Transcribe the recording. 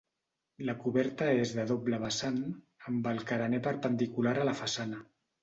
La coberta és de doble vessant, amb el carener perpendicular a la façana.